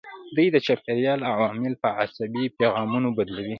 دوی د چاپیریال عوامل په عصبي پیغامونو بدلوي.